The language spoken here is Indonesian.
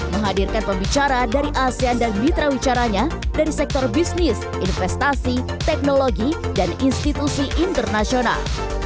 menghadirkan pembicara dari asean dan mitra wicaranya dari sektor bisnis investasi teknologi dan institusi internasional